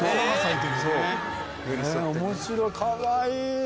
へぇ面白いかわいい。